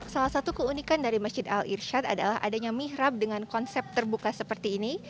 salah satu keunikan dari masjid al irshad adalah adanya mihrab dengan konsep terbuka seperti ini